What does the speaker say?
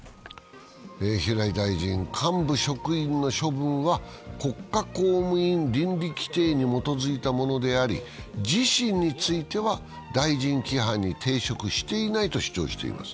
平井大臣、幹部職員の処分は国家公務員倫理規程に基づいたものであり、自身については、大臣規範に抵触していないと主張しています。